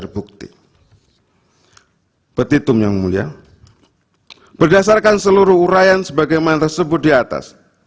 berdasarkan seluruh urayan sebagaimana tersebut diatas